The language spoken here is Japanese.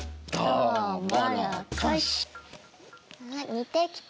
似てきた。